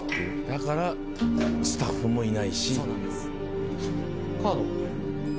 だからスタッフもいないし。